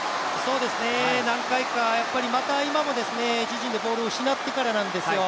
何回か、また今も自陣でボールを失ってからなんですよ。